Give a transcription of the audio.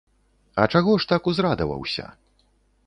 А чаго ж так узрадаваўся?